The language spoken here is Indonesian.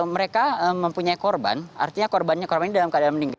mereka mempunyai korban artinya korbannya korban ini dalam keadaan meninggal